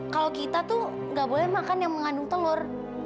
kalau kita tuh gak boleh makan yang mengandung telur